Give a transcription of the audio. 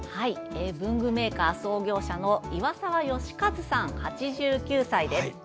文具メーカー創業者の岩沢善和さん、８９歳です。